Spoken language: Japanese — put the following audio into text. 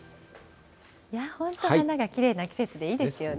本当、花がきれいな季節でいいですよね。